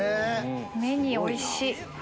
目においしい！